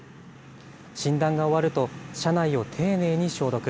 診断が終わると、車内を丁寧に消毒。